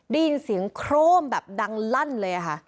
ได้ยินเสียงโครมแบบดังลั่นเลยค่ะ